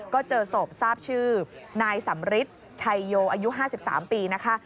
ก็เจอศพทราบชื่อนายสำริทชัยโยอายุ๕๓ปีนะคะ